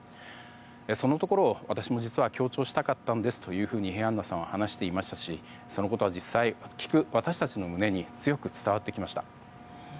そのところを、私も実は強調したかったんですと平安名さんは話していましたしそのことは実際に聞く私たちの胸に強く伝わってきました。